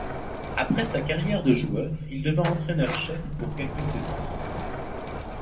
Après sa carrière de joueur, il devint entraîneur-chef pour quelques saisons.